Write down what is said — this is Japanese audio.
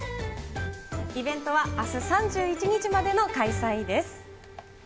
イベントはあす３１日までの開催です。